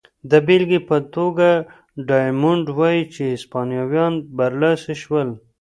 د بېلګې په توګه ډایمونډ وايي چې هسپانویان برلاسي شول.